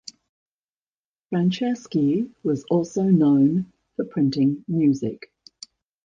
Franceschi was also known for printing music.